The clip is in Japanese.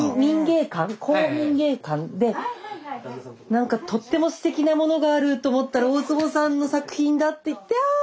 何かとってもステキなものがあると思ったら大坪さんの作品だっていってあ！